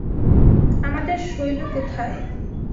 আমাদের শৈল কোথায়?